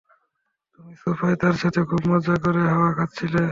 তুমি সোফায় তার সাথে খুব মজা করে হাওয়া খাচ্ছিলে।